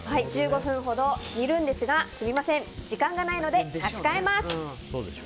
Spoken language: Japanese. １５分ほど煮るんですがすみません時間がないので差し替えます。